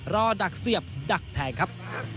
รอดักเสียบดักแทงครับ